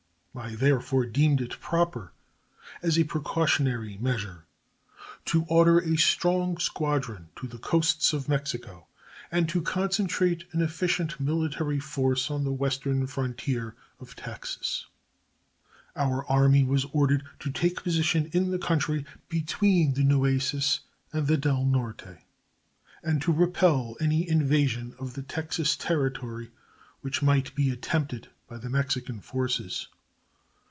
I therefore deemed it proper, as a precautionary measure, to order a strong squadron to the coasts of Mexico and to concentrate an efficient military force on the western frontier of Texas. Our Army was ordered to take position in the country between the Nueces and the Del Norte, and to repel any invasion of the Texan territory which might be attempted by the Mexican forces.